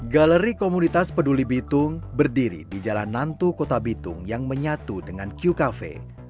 galeri komunitas peduli bitung berdiri di jalan nantu kota bitung yang menyatu dengan q cafe